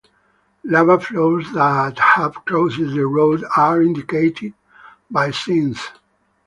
Lava flows that have crossed the road are indicated by signs.